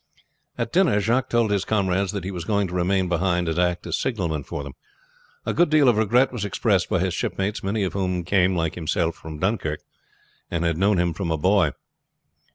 At dinner Jacques told his comrades that he was going to remain behind and act as signalman for them. A good deal of regret was expressed by his shipmates, many of whom came like himself from Dunkirk, and had known him from a boy.